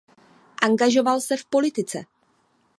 Angažoval se politice.